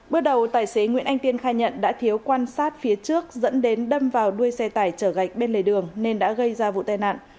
bước đầu tài xế nguyễn anh tiên khai nhận đã thiếu quan sát phía trước dẫn đến đâm vào đuôi xe tải chở gạch bên lề đường nên đã gây ra vụ tai nạn